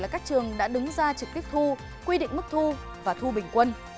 các trường đã đứng ra trực tiếp thu quy định mức thu và thu bình quân